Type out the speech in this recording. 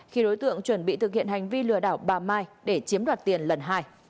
khi đối tượng chuẩn bị thực hiện hành vi lừa đảo bà mai để chiếm đoạt tiền lần hai